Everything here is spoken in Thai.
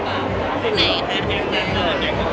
สักปุ่มแบบที่รู้สึกแล้วแล้ว